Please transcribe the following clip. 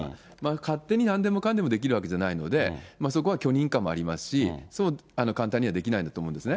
勝手になんでもかんでもできるわけじゃないので、そこは許認可もありますし、そう簡単にはできないと思うんですね。